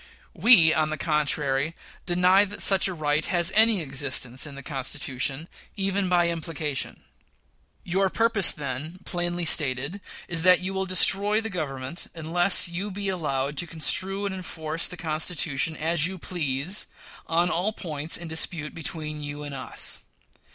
We, on the contrary, deny that such a right has any existence in the Constitution, even by implication. Your purpose, then, plainly stated, is that you will destroy the Government unless you be allowed to construe and enforce the Constitution as you please on all points in dispute between you and us.